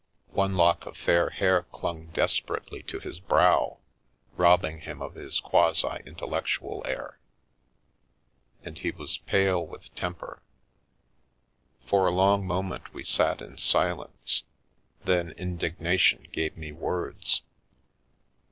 One lock of fair hair clung desperately to his brow, robbing him of his quasi intellectual air, and he was pale with temper. For a long moment we sat in silence, then indignation gave me words.